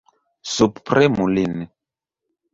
Subpremu lin!